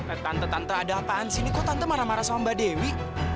eh tante tante ada apaan sini kok tante marah marah sama mbak dewi